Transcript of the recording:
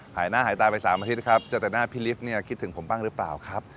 หายหน้าหายตาไป๓อาทิตย์ครับเจอแต่หน้าพี่ลิฟต์เนี่ยคิดถึงผมบ้างหรือเปล่าครับ